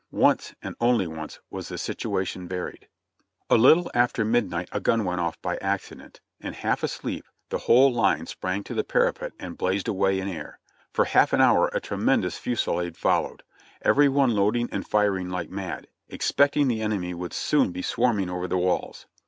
Once and only once was the situation varied. A Httle after midnight a gun went off by accident, and half asleep, the whole line sprang to the parapet and blazed away in air. For half an hour a tremendous fusilade followed ; every one loading and firing like mad, expecting the enemy would soon be swarming over the walls.